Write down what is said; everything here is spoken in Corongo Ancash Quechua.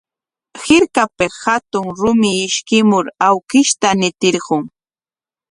Hirkapik hatun rumi ishkimur awkishta ñitirqun.